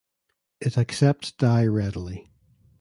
It accepts dye readily.